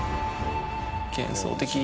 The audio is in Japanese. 幻想的！